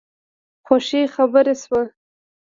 خوښي خپره شوه.